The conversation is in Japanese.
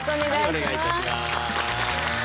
はいお願いいたします。